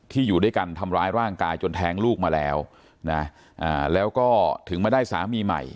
อยู่ด้วยกันทำร้ายร่างกายจนแท้งลูกมาแล้วนะแล้วก็ถึงมาได้สามีใหม่